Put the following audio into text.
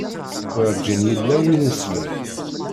Werǧin yella win isellen.